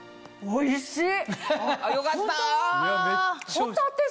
おいしい。